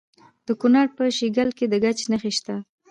د کونړ په شیګل کې د ګچ نښې شته.